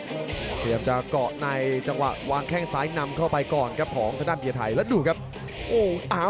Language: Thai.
พยายามจะเกาะในจังหวะวางแข้งซ้ายนำเข้าไปก่อนครับของทางด้านเบียร์ไทยแล้วดูครับ